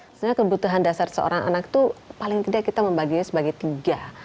sebenarnya kebutuhan dasar seorang anak itu paling tidak kita membaginya sebagai tiga